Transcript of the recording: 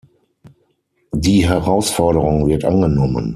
Die Herausforderung wird angenommen.